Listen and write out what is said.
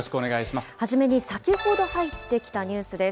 初めに先ほど入ってきたニュースです。